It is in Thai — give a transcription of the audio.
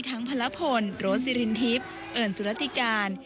ทั้งภาระพลโรสศิรินทิพย์เอิร์นสุรธิการ